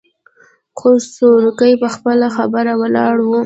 خو سورکی په خپله خبره ولاړ و.